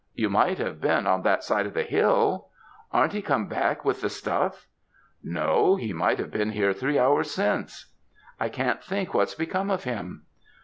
"You might have been on that side of the hill?" "Ar'n't he come back with the stuff?" "No; he might have been here three hours since. I can't think what's become of him."